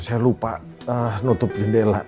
saya lupa nutup jendela